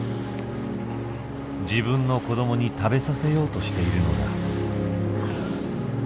自分の子供に食べさせようとしているのだ。